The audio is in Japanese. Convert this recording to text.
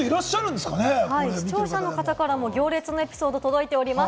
視聴者の方からも行列のエピソードが届いております。